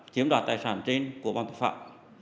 chiếm đoạt tài sản trên của bọn tội phạm